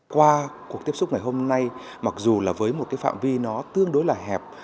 qua cuộc tiếp xúc ngày hôm nay mặc dù là với một cái phạm vi nó tương đối là hẹp